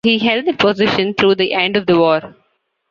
He held that position through the end of the war.